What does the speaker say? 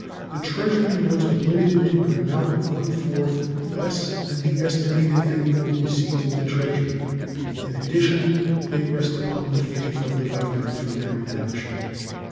The Treasury notes are limited to an amount of one fourth less than the estimated annual receipts of the Treasury, and in addition they rest upon the faith of the Government for their redemption.